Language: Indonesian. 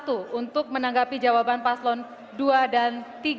untuk menanggapi jawaban paslon dua dan tiga